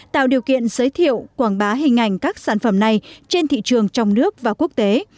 tạo điều kiện giới thiệu quảng bá hình ảnh các sản phẩm này trên thị trường trong nước và quốc tế